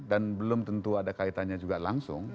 dan belum tentu ada kaitannya juga langsung